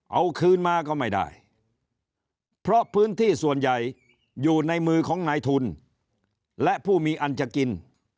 เอาคืนมาก็ไม่ได้เพราะพื้นที่ส่วนใหญ่อยู่ในมือของนายทุนและผู้มีอันจะกิน